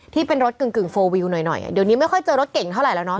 ที่เป็นรถกึ่งโฟลวิวหน่อยหน่อยเดี๋ยวนี้ไม่ค่อยเจอรถเก่งเท่าไหรแล้วเนาะ